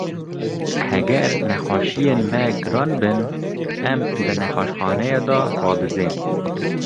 Heger nexweşiyên me giran bin, em di nexweşxaneyê de radizên.